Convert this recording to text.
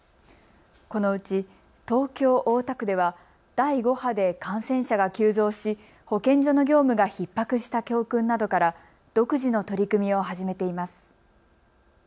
このうち東京大田区では第５波で感染者が急増し保健所の業務がひっ迫した教訓などから独自の取り組みを始めています。